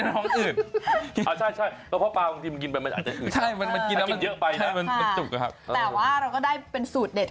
ปลอดภัยถึงอบปวนเส้น